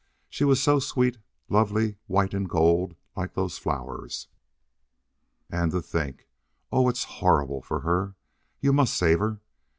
She was so sweet, lovely, white and gold, like those flowers.... And to think! Oh, it's horrible for her! You must save her.